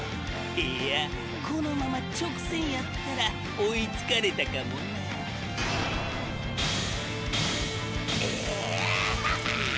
いやこのまま直線やったら追いつかれたかもなイヤハアアア！！